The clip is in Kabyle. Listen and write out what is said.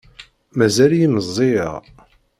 Mazal-iyi meẓẓiyeɣ.